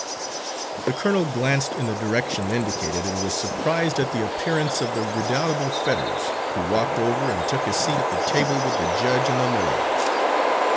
The colonel glanced in the direction indicated, and was surprised at the appearance of the redoubtable Fetters, who walked over and took his seat at the table with the judge and the lawyers.